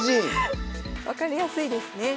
分かりやすいですね。